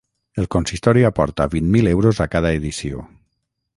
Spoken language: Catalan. El consistori aporta vint mil euros a cada edició.